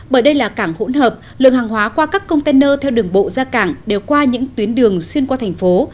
bởi đây là cảng hỗn hợp lượng hàng hóa qua các container theo đường bộ ra cảng đều qua những tuyến đường xuyên qua thành phố